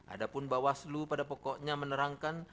adapun bawah selu pada pokoknya menerangkan